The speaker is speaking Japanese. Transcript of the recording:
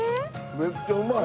めっちゃうまい！